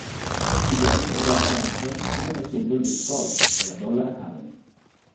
Figlio di Edward Henderson, studiò presso il Dulwich College e la Dollar Academy.